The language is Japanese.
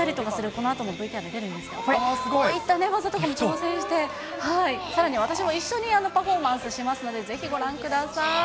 こういった技とかにも挑戦して、さらに私も一緒にパフォーマンスしますので、ぜひご覧ください。